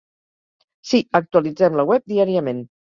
Sí, actualitzem la web diàriament.